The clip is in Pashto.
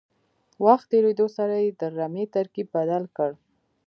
وخت تېرېدو سره یې د رمې ترکیب بدل کړ.